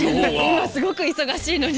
今すごく忙しいのに。